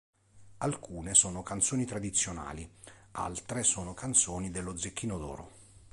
Alcune sono canzoni tradizionali, altre sono canzoni dello Zecchino d'Oro.